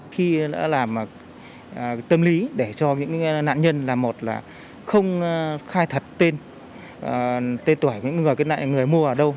khi đã làm tâm lý để cho những nạn nhân là một là không khai thật tên tuổi những người mua ở đâu